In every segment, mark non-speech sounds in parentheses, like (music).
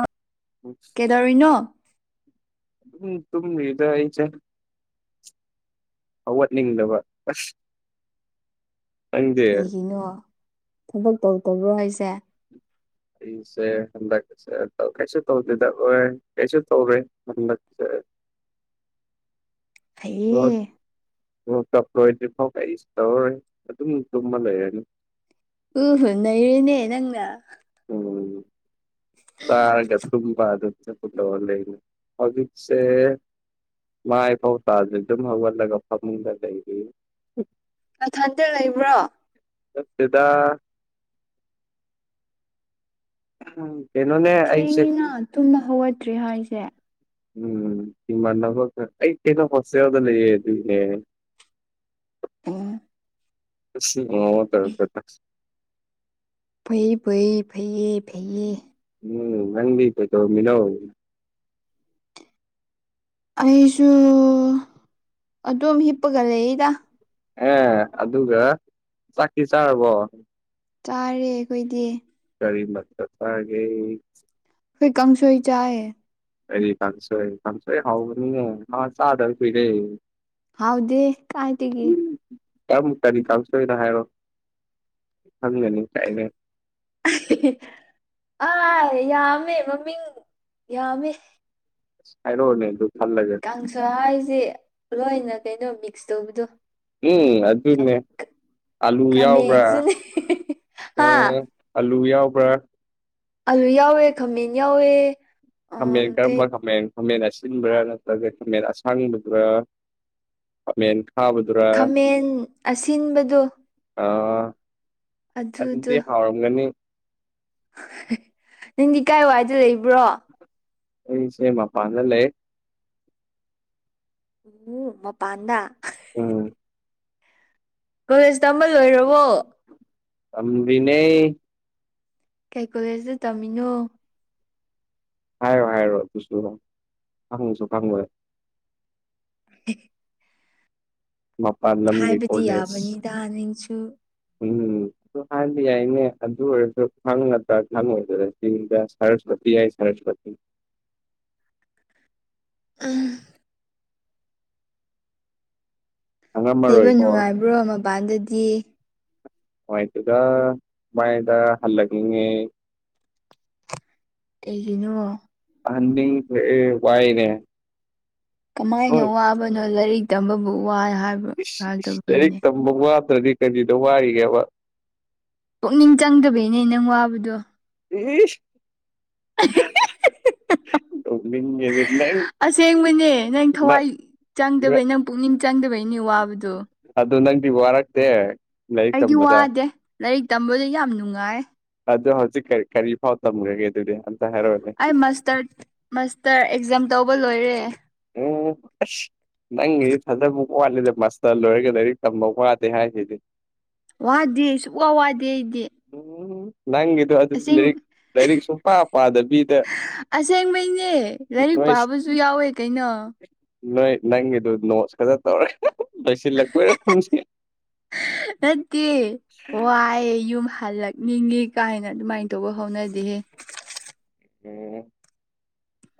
ꯑ ꯀꯩꯗꯧꯔꯤꯅꯣ ꯇꯨꯝ ꯏꯗ ꯑꯩ ꯆ ꯍꯧꯋꯥꯠꯅꯤꯡꯗꯕ ꯑꯁ ꯀꯩꯒꯤꯅꯣ ꯊꯕꯛ ꯇꯧꯗꯕ꯭ꯔꯣ ꯍꯥꯏꯁꯦ ꯑꯩꯁꯦ ꯍꯟꯗꯛꯁꯦ ꯀꯩꯁꯨ ꯇꯧꯗꯦꯗ ꯍ ꯀꯩꯁꯨ ꯇꯧꯔꯦ ꯍꯟꯗꯛꯁꯦ ꯍꯥꯏꯌꯦ ꯑꯣ ꯀꯞꯂꯣꯏꯗ꯭ꯔꯤ ꯐꯥꯎ ꯀ ꯑꯩꯁꯨ ꯇꯧꯔꯔꯣꯏ ꯑꯗꯨꯝ ꯇꯨꯝꯕ ꯂꯩꯔꯅꯤ ꯎ ꯍꯣ ꯅꯩꯅꯦ ꯅꯪ ꯎꯝ ꯇꯥꯒꯠꯇꯨꯝꯕꯥ ꯑꯗꯨ ꯐꯨꯕ ꯂꯩ ꯑꯣꯖꯤꯛꯁꯦ ꯃꯥꯥꯏ ꯄꯧꯇꯥꯁꯦ ꯑꯗꯨꯝ ꯍꯧꯒꯠꯂꯒ ꯐꯃꯨꯡꯗ ꯂꯩꯔꯤ ꯀꯊꯟꯇ ꯂꯩꯕ꯭ꯔꯣ ꯁꯗ ꯎ ꯌꯥꯝ ꯊꯦꯡꯉꯤꯅ ꯇꯨꯝꯕ ꯍꯧꯒꯠꯇ꯭ꯔꯤ ꯍꯥꯏꯁꯦ ꯎꯝꯃꯅ ꯑꯩ ꯇꯦ ꯐꯁꯦ ꯌꯎꯗꯦ ꯎꯝ ꯇ ꯐꯩ ꯐꯩ ꯐꯩ ꯐꯩ ꯎꯝ ꯅꯪ ꯣꯏ ꯇꯃꯤꯅꯣ ꯑꯩꯁꯨ ꯑꯗꯨꯝ ꯍꯤꯞꯄꯒ ꯂꯩꯗ ꯑꯦ ꯑꯗꯨꯒ ꯆꯥꯛꯀꯤ ꯆꯥꯔꯕꯣ ꯆꯥꯔꯦ ꯑꯩꯈꯣꯏꯗꯤ ꯀꯔꯤꯃ ꯍꯥꯏꯦ ꯑꯩꯈꯣꯏ ꯀꯥꯡꯁꯣꯣꯏ ꯆꯥꯦ ꯑꯔꯤ ꯊꯥꯟꯁꯣꯣꯏ ꯊꯥꯡꯁꯣꯏ ꯍꯥꯎꯅꯤꯉ ꯉ ꯆꯗꯔ ꯄꯤꯔꯦ ꯍꯥꯎꯗꯦ ꯀꯥꯏ ꯇꯤꯒ ꯇꯃꯨꯛꯇꯅꯤ ꯀꯥꯡ ꯁꯣꯏꯗ ꯍꯥꯏꯔꯣ ꯈꯪꯒꯅꯤ ꯀꯥꯏꯅꯦ ꯑꯥꯏ ꯌꯥꯝꯃꯦ ꯃꯃꯤꯡ ꯌꯥꯝꯃꯦ ꯔꯣꯅꯦ ꯑꯗꯨ ꯐꯜꯂꯒꯦ ꯀꯥꯡ ꯁ ꯍꯥꯏꯁꯦ ꯂꯣꯏꯅ ꯀꯩꯅꯣ ꯃꯤꯛꯁ ꯇꯧꯕꯗꯣ ꯎꯝ ꯑꯗꯨꯅꯦ ꯑꯂꯨ ꯌꯥꯎꯕ꯭ꯔꯥ ꯈꯥꯃꯦꯟꯁꯨꯅꯦ ꯍꯥ ꯎꯝ ꯑꯜꯂꯨ ꯌꯥꯎꯕ꯭ꯔꯥ ꯑꯂꯨ ꯌꯥꯎꯋꯦ ꯈꯥꯃꯦꯟ ꯌꯥꯎꯋꯦ ꯎꯝ ꯍꯃꯦꯟꯒꯔꯝꯕ ꯀꯩ ꯍꯃꯦꯟ ꯈꯥꯃꯦꯟ ꯑꯁꯤꯟꯕ꯭ꯔꯥ ꯅꯠꯇ꯭ꯔꯒ ꯈꯥꯃꯦꯟ ꯑꯁꯥꯡꯕꯗꯨꯔꯥ ꯈꯥꯃꯦꯟ ꯍꯥ ꯃꯗꯨꯨꯔꯦ ꯈꯥꯃꯦꯟ ꯑꯁꯤꯟꯕꯗꯣ ꯑꯥ ꯑꯗꯨꯗꯤ ꯑꯗꯨꯗꯣ ꯍꯥꯎꯔꯝꯒꯅꯤ ꯅꯪꯗꯤ ꯀꯥꯏ ꯋꯥꯏꯗ ꯂꯩꯕ꯭ꯔꯣ ꯑꯦ ꯁꯦꯃꯄꯥ ꯑꯅ ꯂꯩꯌꯦ ꯎ ꯃꯄꯥꯟꯗ ꯎꯝ ꯀꯣꯂꯦꯖ ꯇꯝꯕ ꯂꯣꯏꯔꯕꯣ ꯑꯕꯤꯅꯦ ꯀꯩ ꯀꯣꯂꯦꯖꯇ ꯇꯝꯃꯤꯅꯣ ꯍꯥꯏꯔꯣ ꯍꯥꯏꯔꯣ ꯑꯗꯨꯁꯨ ꯈꯪꯉꯨꯁꯨ ꯈꯪꯉꯣꯏ (unintelligible) ꯃꯄꯥꯟ ꯂꯝꯒꯤ ꯍꯥꯏꯕꯗꯤ ꯀꯣꯂꯦꯖ ꯌꯥꯕꯅꯤꯗ ꯅꯪꯁꯨ ꯎꯝ ꯑꯗꯨ ꯍꯥꯟꯗꯤ ꯌꯥꯏꯅꯦ ꯑꯗꯨ ꯑꯣꯏꯔꯁꯨ ꯈꯪꯗ꯭ꯔ ꯈꯪꯉꯣꯏꯗ ꯁꯤꯗ ꯁꯔꯁꯄꯇꯤ ꯌꯥꯏ ꯁꯔꯁꯄꯇꯤ ꯎꯝ ꯇꯕ ꯈꯪꯉꯝꯃꯔꯣꯏꯀꯣ ꯅꯨꯡꯉꯥꯏꯕ꯭ꯔꯣ ꯃꯄꯥꯟꯗꯗꯤ ꯃꯥꯏ ꯇꯒ ꯃꯗ ꯍꯜꯂꯒꯤꯉꯦ ꯀꯩꯒꯤꯅꯣ ꯑꯗꯤ ꯋꯥꯏꯅꯦ ꯀꯃꯥꯏꯅ ꯅꯣꯏ ꯋꯥꯕꯅꯣ ꯂꯥꯏꯔꯤꯛ ꯇꯝꯕꯕꯨ ꯋꯥ ꯍꯥꯏꯕꯣ ꯂꯥꯏꯔꯤꯛ ꯇꯝꯕ ꯋꯥꯠꯇ꯭ꯔꯗꯤ ꯀꯔꯤꯗ ꯋꯥꯏꯒꯦꯕ ꯄꯨꯛꯅꯤꯡ ꯆꯪꯗꯕꯩꯅꯦ ꯅꯪ ꯋꯥꯕꯗꯣ ꯌꯦꯅ ꯑꯁꯦꯡꯕꯅꯦ ꯅꯪ ꯊꯋꯥꯏ ꯆꯪꯗꯕꯩ ꯅꯪ ꯄꯨꯛꯅꯤꯡ ꯆꯪꯗꯕꯩꯅꯦ ꯋꯥꯕꯗꯣ ꯑꯗꯨ ꯑꯗꯨ ꯅꯪꯗꯤ ꯋꯥꯔꯇꯦ ꯑꯩꯗꯤ ꯋꯥꯗꯦ ꯂꯥꯏꯔꯤꯛ ꯇꯝꯕꯗ ꯌꯥꯝ ꯅꯨꯡꯉꯥꯏ ꯑꯗ ꯍꯧꯖꯤꯛ ꯀꯔꯤ ꯐꯥꯎ ꯇꯝꯈ꯭ꯔꯒꯦ ꯑꯗꯨꯗꯤ ꯑꯝꯇ ꯍꯥꯏꯔꯛꯑꯣꯅꯦ ꯑꯩ ꯃꯥꯁꯇꯔ ꯃꯥꯁꯇꯔ ꯑꯦꯛꯖꯥꯝ ꯇꯧꯕ ꯂꯣꯏꯔꯦ ꯎꯝ ꯅꯪꯒꯤꯗꯤ ꯊꯥꯖꯕ ꯋꯥꯠꯂꯤꯗ ꯃꯁꯇꯔ ꯂꯣꯏꯔꯒ ꯂꯥꯏꯔꯤꯛ ꯇꯝꯕ ꯋꯥꯗꯦ ꯍꯥꯏꯁꯤꯗꯤ ꯋꯥꯗꯦ ꯁꯨꯡꯛ ꯋꯥ ꯋꯥꯗꯦ ꯑꯩꯗꯤ ꯎꯝ ꯅꯪꯗꯨ ꯑꯗꯨ ꯑꯁꯦꯡ ꯂꯩ ꯂꯥꯏꯔꯤꯛ ꯁꯨꯝ ꯄꯥ ꯄꯥꯗꯕꯤꯗꯣꯏ ꯑꯁꯦꯡꯕꯩꯅꯦ ꯂꯥꯏꯔꯤꯛ ꯄꯥꯕꯁꯨ ꯌꯥꯎꯋꯦ ꯀꯩꯅꯣ ꯅꯣꯏ ꯅꯪꯒꯤꯗꯨ ꯅꯣ ꯈꯖ ꯇꯧꯔꯦ ꯂꯣꯏꯁꯤꯜꯂꯛꯄꯔ ꯅꯠꯇ ꯋꯥꯏ ꯌꯨꯝ ꯍꯜꯂꯛꯅꯤꯡꯉꯤ ꯀꯥꯏꯅ ꯑꯗꯨꯃꯥꯏꯅ ꯇꯧꯕ ꯍꯧꯅꯗꯍꯦ ꯎꯝ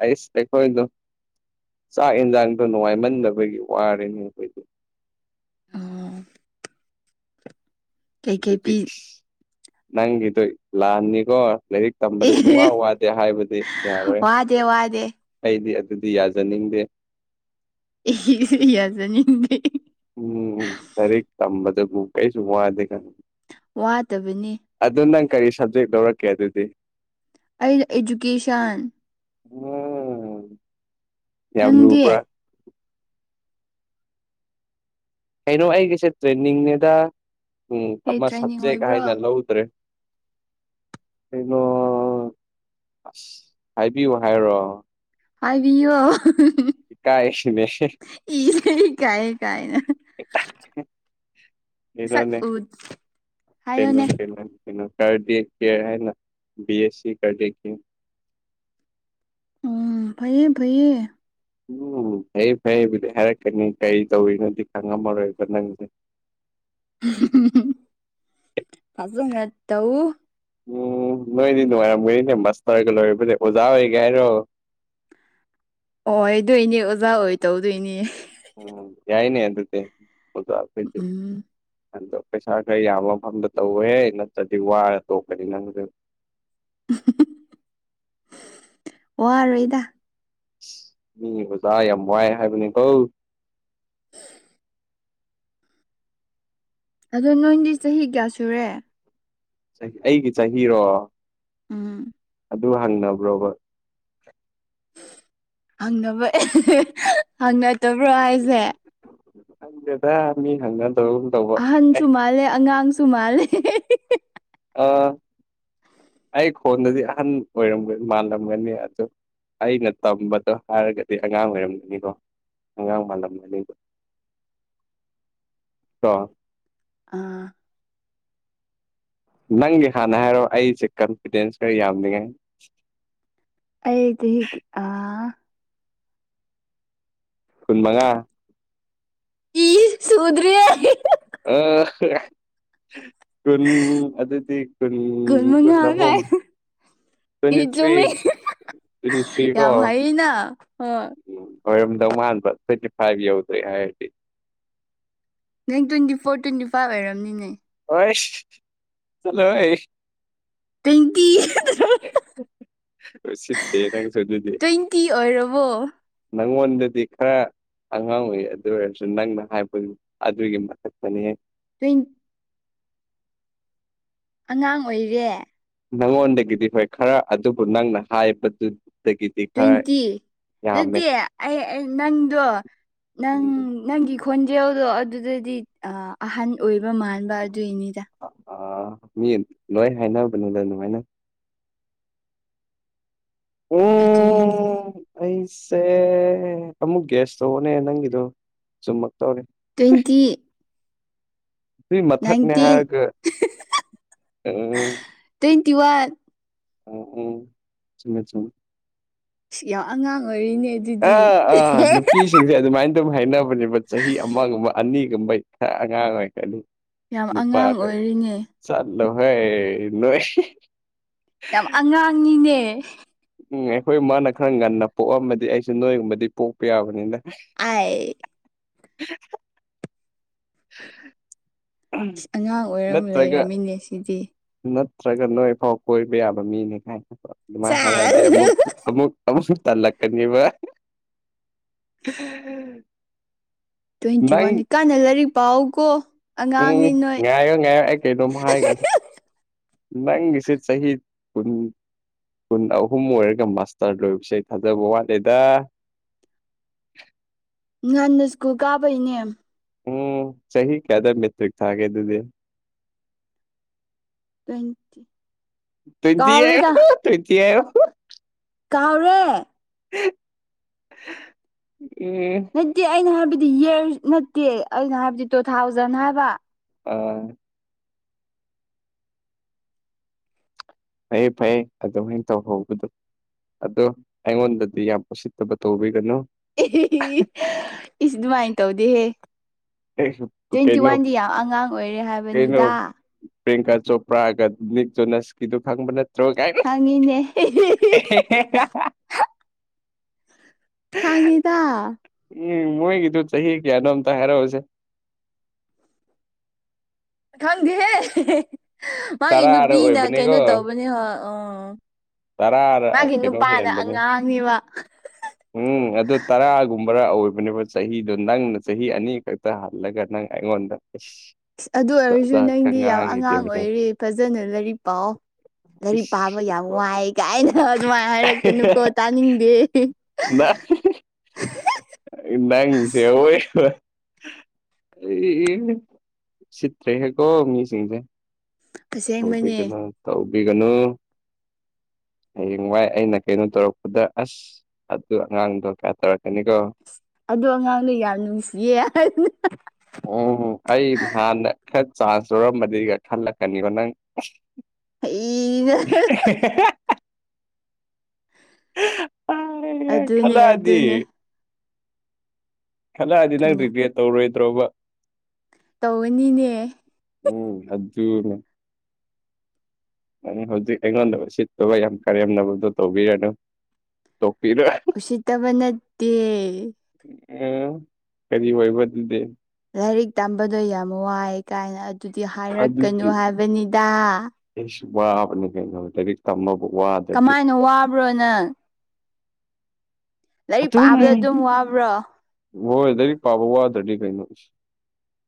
ꯑꯁ ꯑꯣꯏꯣꯏꯗꯨ ꯆꯥꯛ ꯌꯦꯟꯁꯥꯡꯗꯣ ꯅꯨꯡꯉꯥꯏꯃꯟꯗꯕꯒꯤ ꯋꯥꯔꯅꯤ ꯑꯩꯈꯣꯏꯗꯤ ꯑꯣ ꯀꯩꯀꯩ ꯑꯗꯨꯗꯤ ꯄꯤ ꯅꯪꯒꯤꯗꯣ ꯂꯥꯟꯑꯅꯤꯀꯣ ꯂꯥꯏꯔꯤꯛ ꯇꯝꯕꯗ ꯁꯨꯡꯋꯥ ꯑꯦ ꯋꯥꯗꯦ ꯍꯥꯏꯕꯗꯤ ꯌꯥꯔꯣꯏ ꯋꯥꯗꯦ ꯋꯥꯗꯦ ꯑꯩꯗꯤ ꯑꯗꯨꯗꯤ ꯌꯥꯖꯅꯤꯡꯗꯦ (unintelligible) ꯌꯥꯖꯅꯤꯗꯤ ꯎꯝ ꯂꯥꯏꯔꯤꯛ ꯇꯝꯕꯗꯕꯨ ꯀꯩꯁꯨ ꯋꯥꯗꯦ (unintelligible) ꯋꯥꯗꯕꯅꯤ ꯑꯗꯨ ꯅꯪ ꯀꯔꯤ ꯁꯕꯖꯦꯛ ꯂꯧꯔꯛꯀꯦ ꯑꯗꯨꯗꯤ ꯑꯩ ꯏꯗꯨꯨꯀꯦꯁꯟ (unintelligible) ꯅꯪꯗꯤ ꯌꯥꯝꯂꯨꯕ꯭ꯔꯥ ꯀꯩꯅꯣ ꯑꯩꯒꯤꯁꯦ ꯇ꯭ꯔꯦꯟꯅꯤꯡꯅꯦꯗ ꯎꯝ ꯀꯩ ꯑꯃ ꯇ꯭ꯔꯦꯅꯤꯡ ꯁꯞꯖꯦꯛ ꯑꯣꯏꯕ꯭ꯔꯣ ꯍꯥꯏꯅ ꯂꯧꯗ꯭ꯔꯦ ꯀꯩꯅꯣ ꯑꯁ ꯍꯥꯏꯕꯤꯌꯨ ꯍꯥꯏꯔꯣ ꯍꯥꯏꯕꯤꯌꯣ (unintelligible) ꯏꯀꯥꯏꯁꯤꯅꯦ ꯏꯁꯦ ꯀꯥꯏ ꯀꯥꯏꯅ ꯁꯛ ꯀꯩꯅꯣꯅꯦ ꯎ ꯄꯟꯅꯣ ꯍꯥꯏꯌꯣꯅꯦ ꯄꯟꯅꯥꯟ ꯀꯩꯅꯣ (unintelligible) ꯕꯤ ꯑꯦꯁ ꯁꯤ ꯀꯗꯦꯈꯤ ꯎꯝ ꯐꯩꯌꯦ ꯐꯩꯌꯦ ꯂꯨ ꯐꯩꯌꯦ ꯐꯩꯕꯨꯗꯤ ꯍꯥꯏꯔꯛꯀꯅꯤ ꯀꯔꯤ ꯇꯧꯔꯤꯅꯣꯗꯤ ꯈꯪꯉꯝꯃꯔꯣꯏꯕ ꯅꯪꯁꯦ (unintelligible) ꯐꯖꯅꯥ ꯇꯧ ꯎꯝ ꯅꯣꯏꯗꯤ ꯅꯨꯡꯉꯥꯏꯔꯝꯃꯣꯏꯅꯦ ꯃꯥꯁꯇꯔꯒ ꯂꯣꯏꯔꯕꯅꯦ ꯑꯣꯖꯥ ꯑꯣꯏꯒ ꯍꯥꯏꯔꯣ ꯑꯣ ꯑꯣꯏꯗꯣꯏꯅꯦ ꯑꯣꯖꯥ ꯑꯣꯏ ꯇꯧꯗꯣꯏꯅꯦ ꯎꯝ ꯌꯥꯏꯅꯦ ꯑꯗꯨꯗꯦ ꯑꯣꯖꯥ ꯎꯝ (unintelligible) ꯑꯗꯣ ꯄꯩꯁꯥ ꯈꯔ ꯌꯥꯝꯕ ꯃꯐꯝꯗ ꯇꯧꯋꯦꯍꯦ ꯅꯠꯇ꯭ꯔꯗꯤ ꯋꯥꯔ ꯇꯣꯛꯀꯅꯤ ꯅꯪꯗꯨꯝ (unintelligible) ꯋꯥꯔꯣꯏꯗ ꯃꯤ ꯑꯣꯖꯥ ꯌꯥꯝ ꯋꯥꯏ ꯍꯥꯏꯕꯅꯤ ꯀꯣ ꯑꯗꯣ ꯅꯣꯏꯗꯤ ꯆꯍꯤ ꯀꯌꯥ ꯁꯨꯔꯦ ꯆꯍꯤ ꯑꯩꯒꯤ ꯆꯍꯤꯔꯣ ꯎꯝ ꯑꯗꯨ ꯍꯪꯅꯕ꯭ꯔꯣꯕ ꯍꯪꯅꯕ ꯍꯪꯅꯗꯕ꯭ꯔꯣ ꯍꯥꯏꯁꯦ ꯑꯪꯗꯦꯗꯥ ꯃꯤ ꯍꯪꯅ (unintelligible) ꯑꯍꯟꯁꯨ ꯃꯥꯜꯂꯦ ꯑꯉꯥꯡꯁꯨ ꯃꯥꯜꯂꯦ ꯑ ꯑꯩ ꯈꯣꯟꯗꯗꯤ ꯑꯍꯟ ꯑꯣꯏꯔ ꯃꯥꯜꯂꯝꯒꯅꯤ ꯑꯗꯨ ꯑꯩꯅ ꯇꯝꯕꯗꯣ ꯍꯥꯏꯔꯒꯗꯤ ꯑꯉꯥꯡ ꯑꯣꯏꯔꯝꯒꯅꯤꯀꯣ ꯑꯉꯥꯡ ꯃꯥꯜꯂꯝꯃꯅꯤꯕ ꯀꯣ ꯑꯥ ꯅꯪꯒꯤ ꯍꯥꯟꯅ ꯍꯥꯏꯔꯣ ꯑꯩꯁꯦ ꯀꯟꯐꯤꯗꯦꯟꯁ ꯈꯔ ꯌꯥꯝꯅꯤꯉꯥꯏ ꯑꯩ ꯆꯥꯍꯤꯗꯤ ꯑ ꯀꯨꯟꯃꯉꯥ ꯏꯁ ꯁꯨꯗ꯭ꯔꯤꯌꯦ ꯑꯥ (unintelligible) ꯀꯨꯟ ꯑꯗꯨꯗꯤ ꯎꯝ ꯀꯨꯟ ꯀꯨꯝ ꯃꯉꯥ ꯑꯍꯨꯝ ꯀꯥꯏ ꯏ ꯇ꯭ꯋꯦꯟꯇꯤ ꯊ꯭ꯔꯤ ꯆꯨꯝꯃꯤ ꯇ꯭ꯋꯦꯟꯇꯤ ꯊ꯭ꯔꯤ ꯀꯣ ꯌꯥꯝ ꯍꯔꯤꯅ ꯍꯣꯏ ꯎꯝ ꯑꯣꯏꯔꯝꯗꯧ ꯃꯥꯟꯕ ꯊ꯭ꯋꯦꯟꯇꯤ ꯐꯥꯏꯚ ꯌꯧꯗ꯭ꯔꯦ ꯍꯥꯌꯔꯗꯤ ꯅꯪ ꯇ꯭ꯋꯦꯟꯇꯤ ꯐꯣꯔ ꯇ꯭ꯋꯦꯟꯇꯤ ꯐꯥꯏꯚ ꯑꯣꯏꯔꯝꯅꯤꯅꯦ ꯍꯁ ꯆꯂꯣ ꯍꯩ ꯇ꯭ꯋꯦꯟꯇꯤ (unintelligible) ꯎꯁꯤꯠꯇꯦ ꯅꯪꯁꯨ ꯑꯗꯨꯗꯤ ꯇꯨꯏꯟ ꯇꯤ ꯑꯣꯏꯔꯕꯣ ꯅꯪꯉꯣꯟꯗꯗꯤ ꯈꯔ ꯑꯉꯥꯡ ꯑꯣꯏꯔꯤ ꯑꯗꯨ ꯑꯣꯏꯔꯁꯨ ꯅꯪꯅ ꯍꯥꯏꯕꯗꯨ ꯑꯗꯨꯒꯤ ꯃꯊꯛꯇꯅꯤꯍ (unintelligible) ꯑꯉꯥꯡ ꯑꯣꯏꯔꯦ ꯅꯪꯉꯣꯟꯗꯒꯤꯗꯤ ꯍꯣꯏ ꯈꯔ ꯑꯗꯨꯕꯨ ꯅꯪꯅ ꯍꯥꯏꯕꯗꯨꯗꯒꯤ ꯇ꯭ꯋꯦꯟꯇꯤ ꯅꯠꯇꯦ ꯑꯩ ꯅꯪꯗꯣ ꯅꯪ ꯎꯝ ꯅꯪꯒꯤ ꯈꯣꯟꯖꯦꯜꯗꯣ ꯑꯗꯨꯗꯗꯤ ꯑ ꯑꯍꯟ ꯑꯣꯏꯕ ꯃꯥꯟꯕ ꯑꯗꯨꯏꯅꯤꯗ ꯑ ꯃꯤ ꯂꯣꯏ ꯍꯥꯏꯅꯕꯅꯤꯗ ꯑꯗꯨꯃꯥꯏꯅ ꯎ ꯑꯗꯨꯏ ꯎꯝ ꯑꯩꯁꯦ ꯑꯃꯨꯛ ꯒ꯭ꯌꯥꯁ ꯇꯧꯑ‌ꯣꯅꯦ ꯅꯪꯒꯤꯗꯣ ꯆꯨꯝꯃꯛ ꯇꯧꯔꯦ ꯇ꯭ꯋꯦꯟꯇꯤ ꯑꯗꯨꯏ ꯃꯊꯛꯅꯦ ꯅꯥꯏꯟꯇꯤꯟ ꯍꯥꯏꯔꯒ ꯎꯝ (unintelligible) ꯇ꯭ꯋꯦꯟꯇꯤ ꯋꯥꯟ ꯎꯝ ꯎꯝ ꯆꯨꯝꯃ‌ꯦ ꯆꯨꯝꯃ‌ꯦ ꯁꯤ ꯌꯥꯝ ꯑꯉꯥꯡ ꯑꯣꯏꯔꯤꯅꯦ‌ ꯑ ꯑ ꯅꯨꯄꯤꯁ ꯁꯤꯡꯁꯦ ꯑꯗꯨꯃꯥꯏꯅ ꯑꯗꯨꯝ ꯍꯥꯏꯅꯕꯅꯦꯕ ꯆꯍꯤ ꯑꯃꯒꯨꯝꯕ ꯑꯅꯤꯒꯨꯝꯕꯩ ꯈꯔ ꯑꯉꯥꯡ ꯑꯣꯏꯔꯀꯅꯤ ꯌꯥꯝ ꯅꯨꯄꯥ ꯑꯉꯥꯡ ꯀ ꯑꯣꯏꯔꯤꯅꯦ ꯆꯠꯂꯍꯣꯏ ꯅꯣꯏ ꯌꯥꯝ ꯑꯉꯥꯡꯅꯤꯅꯦ ꯎꯝ ꯑꯩꯈꯣꯏ ꯃꯥꯅ ꯈꯔ ꯉꯟꯅ ꯄꯣꯛꯑꯝꯃꯗꯤ ꯑꯩꯁꯨ ꯅꯣꯏꯒꯨꯝꯕꯗꯤ ꯄꯣꯛꯄ ꯌꯥꯕꯅꯤꯅ ꯑꯥꯏ (unintelligible) (unintelligible) ꯁ ꯑꯉꯥꯡ ꯑꯣꯏꯔꯝ ꯅꯠꯇ꯭ꯔꯒ ꯂꯩꯔꯝꯃꯤꯅꯦ ꯁꯤꯗꯤ ꯅꯠꯇ꯭ꯔꯒ ꯅꯣꯏꯐꯥꯎ ꯀꯣꯏꯕ ꯌꯥꯕ ꯃꯤꯅꯤ ꯀꯥꯏꯅ ꯑꯗꯨꯃꯥꯏꯅ ꯍꯥꯏꯔꯛꯑꯗꯤ ꯑꯃꯨꯛ ꯑꯃꯨꯛ ꯑꯃꯨꯛꯁꯨ ꯇꯜꯂꯛꯀꯅꯤꯕ ꯇ꯭ꯋꯦꯟꯇꯤ ꯋꯥꯟꯅꯤ ꯅꯪ ꯀꯥꯟꯅ ꯂꯥꯏꯔꯤꯛ ꯄꯥꯎ ꯀꯣ ꯎꯝ ꯉꯥꯏꯌꯣ ꯉꯥꯏꯌ‌ꯣ ꯑꯩ ꯀꯩꯅꯣꯝ ꯍꯥꯏꯒꯦ ꯅꯪꯒꯤꯁꯤ ꯆꯍꯤ ꯀꯨꯟ ꯀꯨꯟ ꯑꯍꯨꯝ ꯑꯣꯏꯔꯒ ꯃꯥꯁꯇꯔ ꯂꯣꯏꯕꯁꯦ ꯊꯥꯖꯕ ꯋꯥꯠꯂꯦꯗ ꯉꯟꯅ ꯁ꯭ꯀꯨꯜ ꯀꯥꯕꯩꯅꯦ ꯎꯝ ꯆꯍꯤꯍꯤ ꯀꯌꯥꯗ ꯃꯦꯠꯇ꯭ꯔꯤꯛ ꯊꯥꯒꯦ ꯑꯗꯨꯗꯤ ꯇ꯭ꯋꯦꯟꯇꯤ ꯇ꯭ꯋ‌ꯦꯟꯇꯤ ꯀꯥꯎꯔꯦꯗ ꯍꯥꯏꯌ‌ꯣ ꯇ꯭ꯋ‌ꯦꯟꯇꯤ ꯍꯥꯏꯌ‌ꯣ ꯀꯥꯎꯔꯦ ꯎꯝ ꯅꯠꯇ‌ꯦꯗꯤ ꯑꯩꯅ ꯍꯥꯏꯕꯗꯤ ꯏꯌꯥꯔ ꯅꯠꯇꯦ ꯑꯩꯅ ꯍꯥꯏꯕꯗꯤ ꯇꯨ ꯊꯥꯎꯖꯟ ꯍꯥꯏꯕ ꯑ ꯐꯩꯌꯦ ꯐꯩꯌꯦ ꯑꯗꯨꯃꯥꯏꯅ ꯇꯧꯍꯧꯕꯗꯣ ꯑꯗꯣ ꯑꯩꯉꯣꯟꯗꯗꯤ ꯌꯥꯝ ꯎꯁꯤꯠꯇꯕ ꯇꯧꯕꯤꯒꯅꯨ ꯑꯦꯑꯦꯍꯤ ꯏꯁ ꯑꯗꯨꯃꯥꯏꯅ ꯇꯧꯗꯦꯍꯦ ꯇ꯭ꯋꯦꯟꯇꯤ ꯀꯩꯅꯣ ꯋꯥꯟꯗꯤ ꯌꯥꯝ ꯑꯉꯥꯡ ꯑꯣꯏꯔꯤ ꯍꯥꯏꯕꯅꯤꯗ ꯄ꯭ꯔꯤꯡꯀꯥ ꯆꯣꯄ꯭ꯔꯥꯒ ꯅꯤꯛꯇꯣꯅꯁꯀꯤꯗꯨ ꯈꯪꯕ ꯅꯠ ꯇ‌‍꯭ꯔ‌ꯣ ꯈꯪꯉꯤꯅꯦ (unintelligible) ꯁꯥꯉꯤꯗ ꯎꯝ ꯃꯣꯏꯒꯤꯗꯨ ꯆꯍꯤ ꯀꯌꯥꯅꯣ ꯑꯝꯇ ꯍꯥꯏꯔꯛꯎꯁꯦ ꯈꯪꯗ‌ꯦ ꯍꯦ ꯃꯥꯒꯤ ꯇꯔꯥꯔ ꯅꯨꯄꯤꯅ ꯑꯣꯏꯕꯅꯤꯀꯣ ꯀꯩꯅꯣ ꯇꯧꯕꯅꯦ ꯍ ꯑ ꯇꯔꯥꯔ ꯃꯥꯒꯤ ꯀꯩꯅꯣ ꯅꯨꯄꯥꯅ ꯍꯦꯟꯕꯅꯦ ꯑꯉꯥꯡꯅ‌ꯦꯕ ꯎꯝ ꯑꯗꯨ ꯇꯔꯥꯒꯨꯝꯕꯔ ꯑꯣꯏꯕꯅꯦꯕ ꯆꯍꯤꯗꯣ ꯅꯪꯅ ꯆꯍꯤ ꯑꯅꯤꯈꯛ ꯇꯔꯥ ꯍꯟꯂꯒ ꯅꯪ ꯑꯩꯉ‌ꯣꯟꯗ ꯏꯁꯁ ꯏꯁ ꯑꯗꯨ ꯑꯣꯏꯔꯁꯨꯨ ꯅꯪꯗꯤ ꯌꯥꯝ ꯑꯉꯥꯡ ꯑꯣꯏꯔꯤ ꯐꯖꯅ ꯂꯥꯏꯔꯤꯛ ꯄꯥꯎꯑ‍ꯣ ꯂꯥꯏꯔꯤꯛ ꯄꯥꯕ ꯌꯥꯝ ꯏꯁ ꯋꯥꯏ ꯀꯥꯏꯅ ꯑꯗꯨꯃꯥꯏꯅ ꯍꯥꯏꯔꯛꯀꯅꯨꯀꯣ ꯇꯥꯅꯤꯡꯗꯦ ꯅꯪꯖ‌ꯦ ꯑꯋ‌ꯣꯏꯕ ꯑꯦ ꯑ‌ꯦ ꯁꯤꯇꯔꯦ ꯍꯦꯀꯣ ꯃꯤꯁꯤꯡꯁꯦ ꯑꯁꯦꯡꯕꯅꯦ ꯇꯧꯕꯤꯒꯅꯨ ꯇꯧꯕꯤꯒꯅꯨ ꯍꯌꯦꯡꯋꯥꯏ ꯑꯩꯅ ꯀꯩꯅꯣ ꯇꯧꯔꯛꯄꯗ ꯑꯁ ꯑꯗꯨ ꯑꯉꯥꯡꯗꯣ ꯀꯌꯥ ꯇꯔꯀꯅꯤꯒꯣ ꯑꯗꯣ ꯑꯉꯥꯡꯅ ꯌꯥꯝ ꯅꯨꯡꯁꯤꯌꯦ ꯎꯝ ꯑꯩ ꯅꯍꯥꯟꯅ ꯈꯔ ꯆꯥꯟꯁ ꯂꯧꯔꯝꯕꯗꯤꯒ ꯈꯜꯂꯛꯀꯅꯤꯕ ꯅꯪ ꯑꯩꯅ (unintelligible) ꯑꯗꯨꯅꯦ ꯈꯦꯂꯗꯤ ꯑꯗꯨꯅꯦ ꯈꯜꯂꯛꯑꯗꯤ ꯅꯪ ꯑꯗꯨꯅꯦ ꯔꯤꯒ꯭ꯔꯦꯠ ꯇꯧꯔꯣꯏꯗ꯭ꯔꯣꯕ ꯇꯧꯒꯅꯤꯅꯦ ꯎꯝ ꯑꯗꯨꯅꯦ ꯍꯧꯖꯤꯛ ꯑꯩꯉꯣꯟꯗ ꯁꯤꯠꯇꯨꯒ ꯌꯥꯝ ꯀꯔꯦꯝꯅꯕꯗꯣ ꯇꯧꯕꯤꯔꯅꯨ ꯇꯣꯛꯄꯤꯔꯣꯏ ꯎꯁꯤꯠꯇꯕ ꯅꯠꯇꯦ ꯎ ꯀꯔꯤ ꯑꯣꯏꯕ ꯗꯨꯗꯤ ꯂꯥꯏꯔꯤꯛ ꯇꯝꯕꯗꯣ ꯌꯥꯝ ꯋꯥꯏꯑ ꯀꯥꯏꯅ ꯑꯗꯨꯗꯤ ꯍꯥꯏꯔꯛꯀꯅꯨ ꯍꯥꯏꯕꯅꯤꯗ ꯋꯥ ꯀꯩꯅ ꯇꯔꯤ ꯇꯃ ꯋꯥ ꯀꯃꯥꯏꯅ ꯋꯥꯕ꯭ꯔꯣ ꯅꯪ ꯂꯥꯏꯔꯤꯛ ꯄꯥꯕꯗ ꯑꯗꯨꯝ ꯋꯥꯕ꯭ꯔꯣ ꯍꯣꯏ ꯂꯔꯤꯛ ꯄꯥꯕ ꯋꯥꯗ꯭ꯔꯗꯤ ꯀꯩꯅꯣ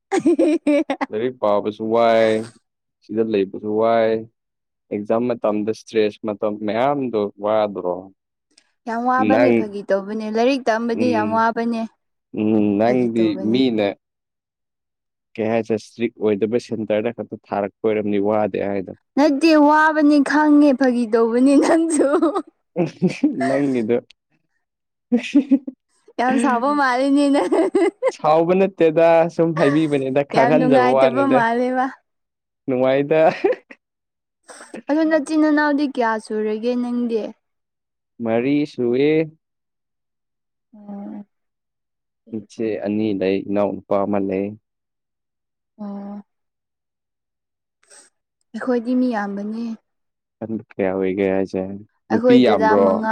ꯍ (unintelligible) ꯂꯥꯏꯔꯤꯛ ꯄꯥꯕꯁꯨ ꯋꯥꯏ ꯁꯤꯗ ꯂꯩꯕꯁꯨ ꯋꯥꯏ ꯑꯦꯛꯖꯥꯝ ꯃꯇꯝꯗ ꯏꯁꯇ꯭ꯔꯦꯁ ꯃꯇꯝ ꯃꯌꯥꯝꯗꯣ ꯋꯥꯗꯔꯣ ꯌꯥꯝ ꯋꯥꯕꯅꯦ ꯐꯥꯒꯤ ꯇꯧꯕꯅꯦ ꯂꯥꯏꯔꯤꯛ ꯇꯑꯝꯕꯗꯤ ꯌꯥꯝ ꯎꯝ ꯋꯥꯕꯅꯦ ꯎꯝ ꯐꯥꯒꯤ ꯅꯪꯗꯤ ꯇꯧꯕꯅꯦ ꯃꯤꯅꯦ ꯀꯩ ꯍꯥꯏꯁꯦ ꯏꯁꯇ꯭ꯔꯤꯛ ꯑꯣꯏꯗꯕ ꯁꯦꯟꯇꯔꯗ ꯈꯛꯇ ꯊꯥꯔꯛꯄ ꯑꯣꯏꯔꯝꯅꯤ ꯋꯥꯗꯦ ꯍꯥꯏꯗꯅ ꯅꯠꯇꯦ ꯋꯥꯕꯅꯤ ꯈꯪꯉꯦ ꯐꯥꯒꯤ ꯇꯧꯕꯅꯤ ꯅꯪꯁꯨ ꯅꯪꯒꯤꯗꯣ ꯌꯥꯝ ꯁꯥꯕ ꯃꯥꯜꯂꯤꯅꯦ ꯅꯪ ꯁꯥꯎꯕ ꯅꯠꯇꯦꯗ ꯁꯨꯝ ꯍꯥꯏꯕꯤꯕꯅꯦꯗ ꯌꯥꯝ ꯈꯥꯍꯟꯖꯕ ꯅꯨꯡꯉꯥꯏꯇꯕ ꯋꯥꯅꯤꯗ ꯃꯥꯜꯂꯦꯕ ꯅꯨꯡꯉꯥꯏꯇ ꯑꯗꯨ ꯅꯆꯤꯟ ꯏꯅꯥꯎꯗꯤ ꯀꯌꯥ ꯁꯨꯔꯒꯦ ꯅꯪꯗꯤ ꯃꯔꯤ ꯁꯨꯑꯦ ꯎꯝ ꯏꯆꯦ ꯑꯅꯤ ꯂꯩ ꯏꯅꯥꯎ ꯅꯨꯄꯥ ꯑꯃ ꯂꯩ ꯑꯣ ꯑꯩꯈꯣꯏꯗꯤ ꯃꯤ ꯌꯥꯝꯕꯅꯤ ꯑꯗꯨ ꯀꯌꯥ ꯑꯣꯏꯒꯦ ꯍꯥꯌꯖ ꯑꯩꯈꯣꯏꯗꯨꯗ ꯃꯉꯥ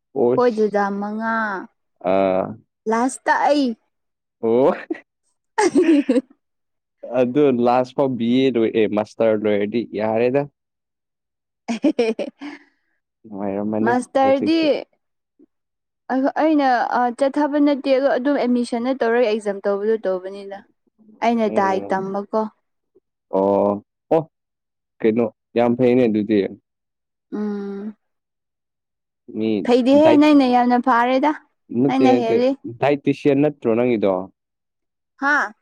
ꯑꯣꯁ ꯃꯉꯥ ꯑꯥ ꯂꯥꯁꯇ ꯑꯩ ꯑꯣ ꯑꯗꯨ ꯂꯥꯁ ꯐꯥꯎ ꯕꯤ ꯑꯦ ꯂꯣꯏ ꯃꯥꯁꯇꯔ ꯂꯣꯏꯗꯤ ꯌꯥꯔꯦꯗ ꯅꯨꯡꯉꯥꯏꯔꯝꯃꯅꯤ ꯃꯥꯁꯇꯔꯗꯤ ꯍꯧꯖꯤꯛꯇꯤ ꯑ ꯑꯩꯅ ꯆꯠꯊꯕ ꯅꯠꯇꯦ ꯑꯣ ꯑꯗꯨꯝ ꯑꯦꯗꯃꯤꯁꯟꯅ ꯇꯧꯔꯦ ꯑꯦꯛꯖꯥꯝ ꯇꯧꯕꯗꯨ ꯇꯧꯕꯅꯤꯅ ꯑꯩꯅ ꯗꯥꯏ ꯎꯝ ꯇꯝꯕꯀꯣ ꯑꯣ ꯑꯣ ꯀꯩꯅꯣ ꯌꯥꯝ ꯐꯩꯅꯦ ꯑꯗꯨꯗꯤ ꯎꯝ ꯃꯤ ꯐꯩꯗꯤꯍꯦ ꯅꯪꯅꯦ ꯌꯥꯝꯅ ꯐꯥꯔꯦꯗ ꯃꯠꯇꯦ ꯅꯪꯅ ꯅ ꯍꯦꯜꯂꯤ ꯗꯗꯥꯥꯏꯇꯁꯤꯌꯥꯟ ꯅꯠꯇ꯭ꯔꯣ ꯅꯪꯗꯣ ꯍꯥꯥ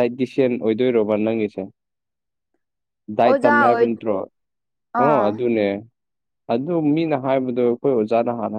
ꯗꯥꯏꯇꯤꯁꯤꯌꯥꯟ ꯑꯣꯏꯗꯣꯏꯔꯕ ꯅꯪꯒꯤꯁꯦ ꯗꯥꯏꯠ ꯑꯣꯖꯥ ꯇꯝꯃꯦ ꯍꯥꯏꯕ ꯑꯣꯏ ꯅꯠꯇ꯭ꯔꯣ ꯑꯣ ꯑꯥ ꯑꯗꯨꯅꯦ ꯑꯗꯨ ꯃꯤꯅ ꯍꯥꯏꯕꯗꯣ ꯍꯖꯥꯅ ꯍꯥꯥꯟꯅ ꯍꯥꯏ